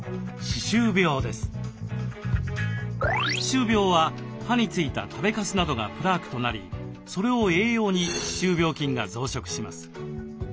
歯周病は歯についた食べかすなどがプラークとなりそれを栄養に歯周病菌が増殖します。